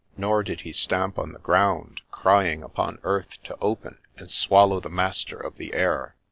Nor did he stamp on the ground, crying upon earth to open and swallow the master of the air.